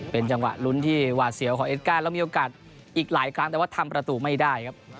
เป็นจังหวะลุ้นที่หวาดเสียวของเอสก้าแล้วมีโอกาสอีกหลายครั้งแต่ว่าทำประตูไม่ได้ครับ